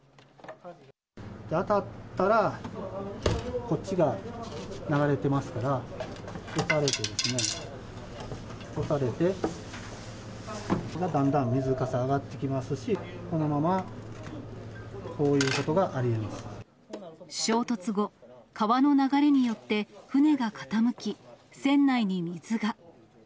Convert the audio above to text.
当たったら、こっちが流れてますから、押されてですね、押されて、だんだん水かさ上がってきますし、このままこういうこ衝突後、川の流れによって船が傾き、船内に水が。